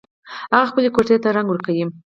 هغه خپلې کوټۍ ته رنګ ورکوي